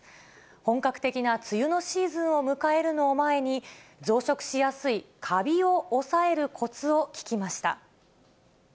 本格的な梅雨のシーズンを迎えるのを前に、増殖しやすいカビを抑えるコツを聞きました。